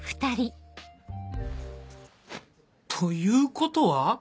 ということは⁉